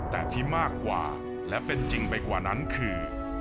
แต่ที่มากกว่าและเป็นจริงไปกว่านั้นคือ